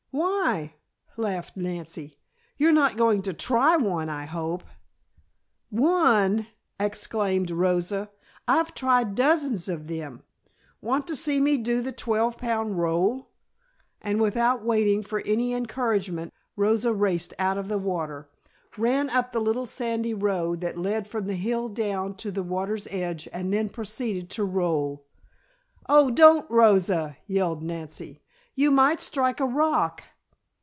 "Why?" laughed Nancy. "You are not going to try one, I hope." "One!" exclaimed Rosa. "I've tried dozens of them. Want to see me do the twelve pound roll?" and without waiting for any encouragement Rosa raced out of the water, ran up the little sandy road that led from a hill down to the water's edge, and then proceeded to roll! "Oh, don't, Rosa!" yelled Nancy. "You might strike a rock!"